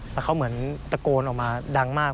แล้วเขาเหมือนตะโกนออกมาดังมาก